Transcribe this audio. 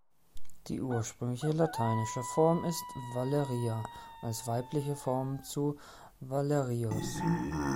Die ursprüngliche lateinische Form ist Valeria, als weibliche Form zu Valerius.